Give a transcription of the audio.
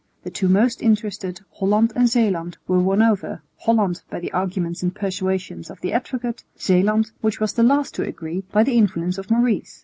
The two most interested, Holland and Zeeland, were won over, Holland by the arguments and persuasions of the Advocate, Zeeland, which was the last to agree, by the influence of Maurice.